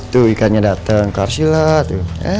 tuh ikannya dateng ke arshila tuh